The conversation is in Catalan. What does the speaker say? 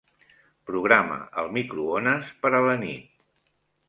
Programa el microones per a la nit.